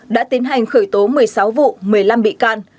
đã tiến hành khởi tố một mươi sáu vụ một mươi năm bị can